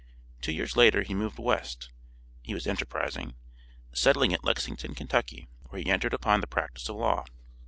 Two years later he moved "West," (he was enterprising), settling at Lexington, Kentucky, where he entered upon the practice of law.